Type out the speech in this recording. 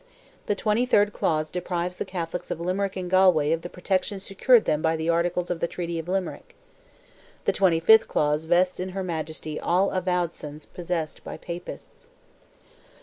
The twenty third clause deprives the Catholics of Limerick and Galway of the protection secured to them by the articles of the treaty of Limerick. The twenty fifth clause vests in her majesty all advowsons possessed by Papists.